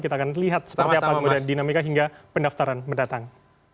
kita akan lihat seperti apa kemudian dinamika hingga pendaftaran mendatang